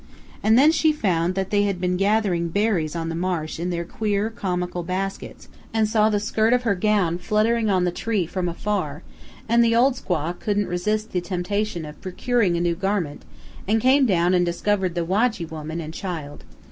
And then she found that they had been gathering berries on the marsh in their queer, comical baskets, and saw the skirt of her gown fluttering on the tree from afar, and the old squaw couldn't resist the temptation of procuring a new garment, and came down and discovered the "wagee" woman and child.